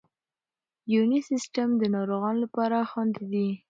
یوني سیسټم د ناروغانو لپاره خوندي دی.